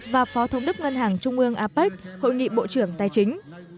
và phó thống đức ngân hàng trung mương apec hội nghị bộ trưởng tài chính